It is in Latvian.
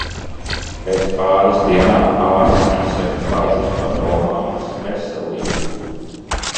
Pēc pāris dienām ārsts izsaka bažas par omammas veselību.